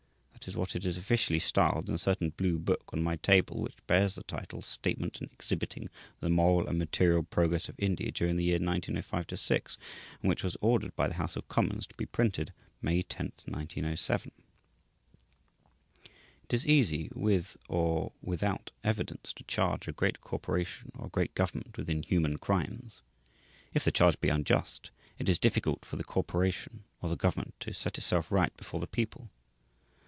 That is what it is officially styled in a certain blue book on my table which bears the title, "Statement Exhibiting the Moral and Material Progress of India during the year 1905 6," and which was ordered by the House of Commons, to be printed, May 10th, 1907. It is easy, with or without evidence, to charge a great corporation or a great government with inhuman crimes. If the charge be unjust it is difficult for the corporation or the government to set itself right before the people.